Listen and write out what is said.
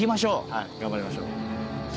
はい頑張りましょう！